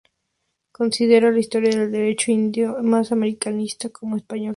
Consideraba la historia del derecho indiano tan americanista como española.